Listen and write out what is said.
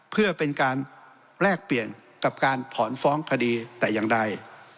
เพื่อเป็นการแลกเปลี่ยนกับการถอนฟ้องคดีแต่อย่างใด